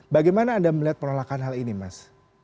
bagaimana anda melihat penolakan hal ini mas